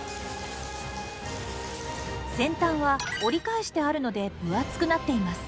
先端は折り返してあるので分厚くなっています。